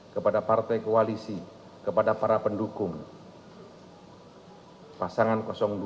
kepada partai koalisi kepada para pendukung pasangan dua